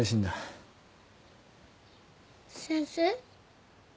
先生？